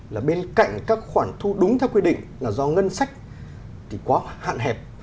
là bên cạnh các khoản thu đúng theo quy định là do ngân sách thì quá hạn hẹp